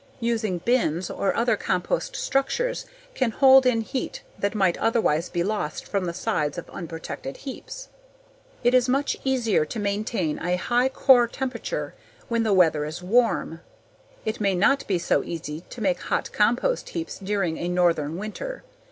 Using bins or other compost structures can hold in heat that might otherwise be lost from the sides of unprotected heaps. It is much easier to maintain a high core temperature when the weather is warm. It may not be so easy to make hot compost heaps during a northern winter.